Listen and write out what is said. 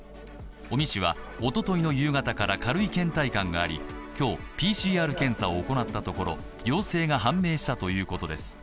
尾身氏はおとといの夕方から軽いけん怠感があり、今日、ＰＣＲ検査を行ったところ陽性が判明したということです。